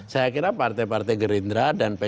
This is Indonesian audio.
saya kira partai partai gerindra dan pks ini